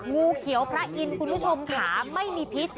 งูเขียวพระอินทร์คุณผู้ชมค่ะไม่มีพิษ